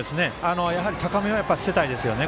高めは捨てたいですよね。